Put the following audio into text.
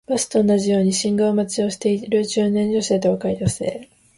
バスと同じように信号待ちをしている中年の女性と若い女性